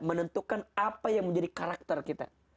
menentukan apa yang menjadi karakter kita